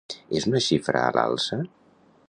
És una xifra a l'alça?